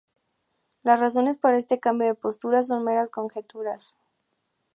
Las razones para este cambio de postura son meras conjeturas.